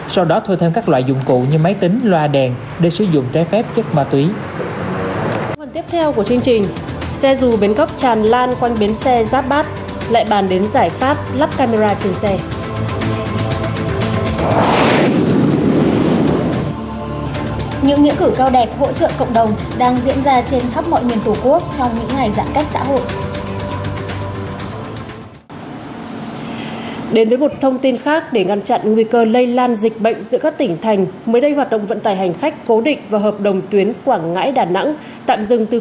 sau đó thuê thêm các loại dụng cụ như máy tính loa đèn để sử dụng trái phép chất ma túy